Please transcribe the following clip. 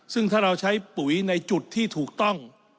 ซึ่งถ้าเราใช้ปุ๋ยในจุดที่ถูกต้อง